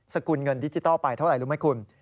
สกุลเงินดิจิทัลไปเท่าไหร่รู้ไหมคุณ